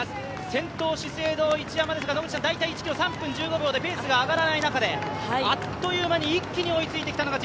先頭、資生堂・一山ですが、大体１ｋｍ３分１５秒でペースが上がらない中であっという間に一気に追いついてきたのがＪＰ